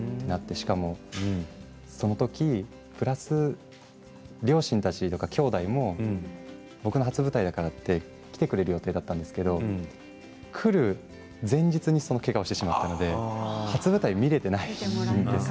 しかも、そのときプラス両親やきょうだいたちも僕の初舞台だからって来てくれる予定だったんですけど来る前日にけがをしてしまったので、初舞台を見ることができていないんですよ。